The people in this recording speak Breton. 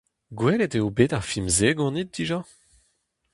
Gwelet eo bet ar film-se ganit dija ?